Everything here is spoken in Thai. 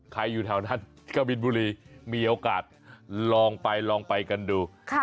ใครอยู่แถวนั้นกามินบุรีมีโอกาสลองไปคัดู